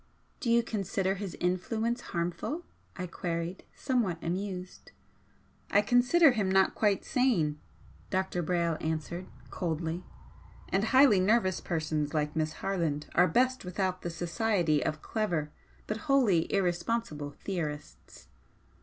"Do you consider his influence harmful?" I queried, somewhat amused. "I consider him not quite sane," Dr. Brayle answered, coldly "And highly nervous persons like Miss Harland are best without the society of clever but wholly irresponsible theorists."